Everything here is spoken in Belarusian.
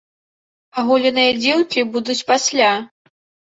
Аголеныя дзеўкі будуць пасля!